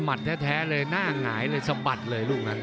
แท้เลยหน้าหงายเลยสะบัดเลยลูกนั้น